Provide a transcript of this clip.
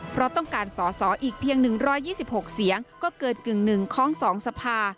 เพราะต้องการสอสออีกเพียง๑๒๖เสียงก็เกินกึ่งหนึ่งของ๒สภา